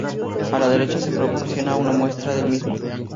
A la derecha se proporciona una muestra del mismo.